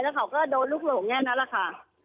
แล้วเขาก็โดนลูกหลงแค่นั้นแหละค่ะ